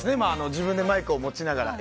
自分でマイクを持ちながら。